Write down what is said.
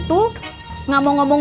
terima kasih ip